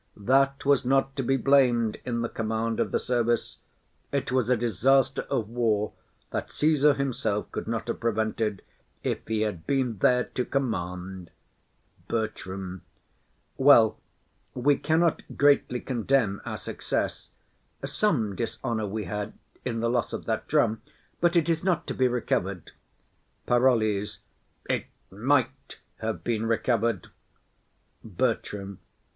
That was not to be blam'd in the command of the service; it was a disaster of war that Caesar himself could not have prevented, if he had been there to command. BERTRAM. Well, we cannot greatly condemn our success: some dishonour we had in the loss of that drum, but it is not to be recovered. PAROLLES. It might have been recovered. BERTRAM.